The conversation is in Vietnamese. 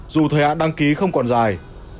dù thời hạn đăng ký không còn dài